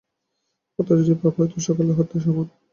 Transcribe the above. হত্যা যদি পাপ হয় তো সকল হত্যাই সমান।